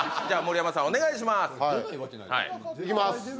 じゃあ盛山さんお願いしますいきます